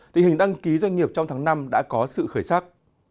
thì hình đăng ký doanh nghiệp trong tháng năm đã có sự khởi sắc